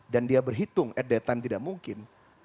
dan dia berhitung at that time tidak mungkin